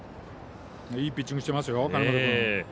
いいピッチングしてますよ。